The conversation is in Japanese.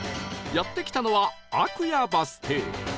やって来たのは安久谷バス停